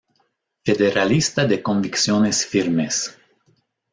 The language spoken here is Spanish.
Federalista de convicciones firmes.